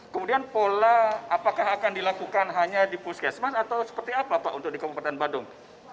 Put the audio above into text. kemudian pola apakah akan dilakukan hanya di puskesmas atau seperti apa pak untuk di kabupaten badung